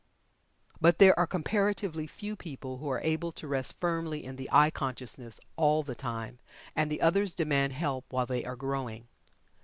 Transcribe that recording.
But, there are comparatively few people who are able to rest firmly in the "I" consciousness all the time and the others demand help while they are growing.